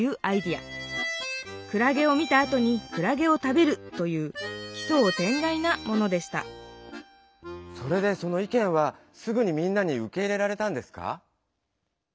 クラゲを見たあとにクラゲを食べるというきそう天外なものでしたそれでその意見はすぐにみんなに受け入れられたんですか？